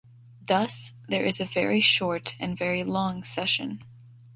Thus, there is a very short and very long session.